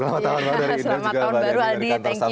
selamat tahun baru dari indonesia juga mbak denny